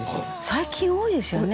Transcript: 「最近多いですよね。